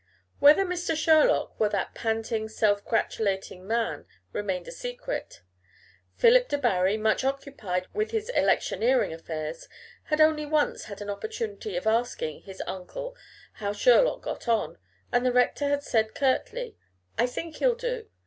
Whether Mr. Sherlock were that panting, self gratulating man, remained a secret. Philip Debarry, much occupied with his electioneering affairs, had only once had an opportunity of asking his uncle how Sherlock got on, and the rector had said, curtly, "I think he'll do.